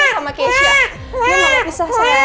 gue gak mau pisah sama keisha